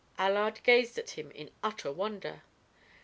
Allard gazed at him in utter wonder.